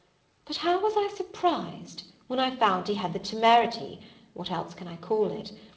But how was I surprised, when I found he had the temerity what else can I call it?